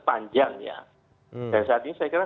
panjang ya dan saat ini saya kira